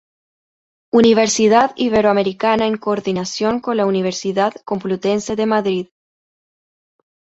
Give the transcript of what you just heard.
Universidad Iberoamericana en coordinación con la Universidad Complutense de Madrid.